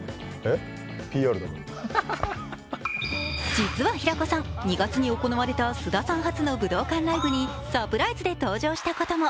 実は平子さん、２月に行われた菅田さん初の武道館ライブにサプライズで登場したことも。